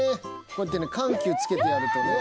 こうやってね緩急つけてやるとね。